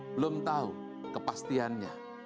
belum tahu kepastiannya